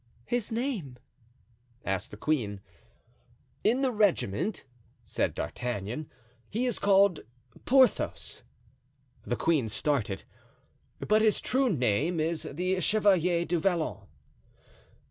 "His name?" asked the queen. "In the regiment," said D'Artagnan, "he is called Porthos" (the queen started), "but his true name is the Chevalier du Vallon."